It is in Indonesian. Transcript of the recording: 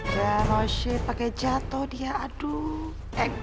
ya no shit pake jatuh dia aduh